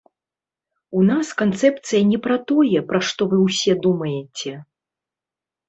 У нас канцэпцыя не пра тое, пра што вы ўсе думаеце.